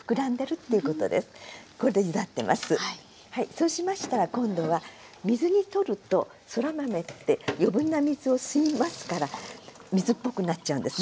そうしましたら今度は水にとるとそら豆って余分な水を吸いますから水っぽくなっちゃうんですね。